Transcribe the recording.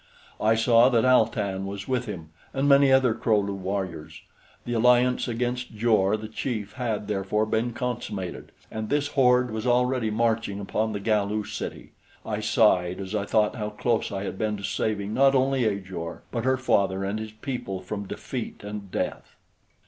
I saw that Al tan was with him and many other Kro lu warriors. The alliance against Jor the chief had, therefore, been consummated, and this horde was already marching upon the Galu city. I sighed as I thought how close I had been to saving not only Ajor but her father and his people from defeat and death.